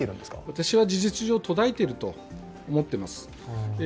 私は事実上、途絶えていると思っています。